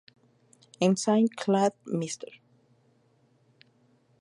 El single "Call Mr.